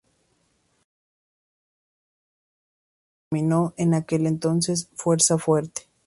Por esa razón se la denominó en aquel entonces "fuerza fuerte".